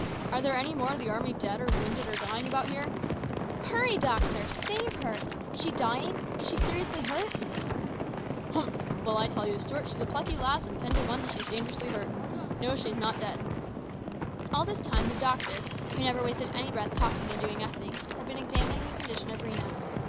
Are there any more of the army dead or wounded or dying about here ?"" Hurry, doctor ! Save her ! Is she dying ? Is she seriously hurt ?"" Humph ! Well, I tell you, Stuart, she's a plucky lass, and it's ten to one that she's dangerously hurt. No, she's not dead." All this time the doctor, who never wasted any breath talking and doing nothing, had been examining the condition of Rhena.